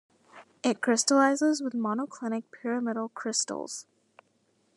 It crystallizes with monoclinic pyramidal crystals.